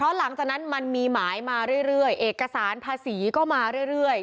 หลังจากนั้นมันมีหมายมาเรื่อยเอกสารภาษีก็มาเรื่อย